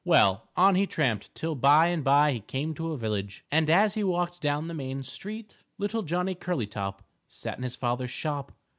Well, on he tramped till by and by he came to a village, and as he walked down the main street _Little Johnny Curlytop Sat in his father's shop.